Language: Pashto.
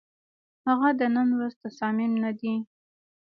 هغه د نن ورځ تصامیم نه دي،